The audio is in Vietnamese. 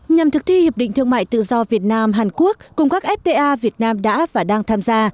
nhằm thực thi hiệp định thương mại tự do việt nam hàn quốc cùng các fta việt nam đã và đang tham gia